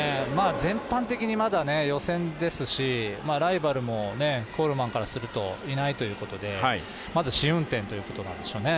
全般的にまだ予選ですしライバルもコールマンからするといないということでまず試運転ということなんでしょうね。